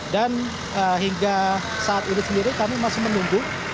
dan hingga saat ini sendiri kami masih menunggu